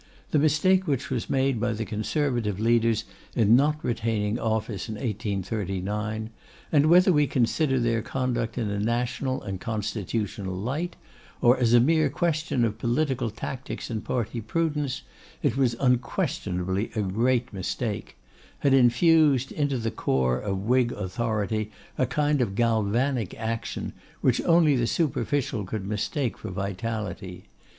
The mistake which was made by the Conservative leaders in not retaining office in 1839; and, whether we consider their conduct in a national and constitutional light, or as a mere question of political tactics and party prudence, it was unquestionably a great mistake; had infused into the corps of Whig authority a kind of galvanic action, which only the superficial could mistake for vitality.